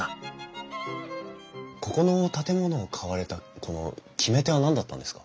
ここの建物を買われたこの決め手は何だったんですか？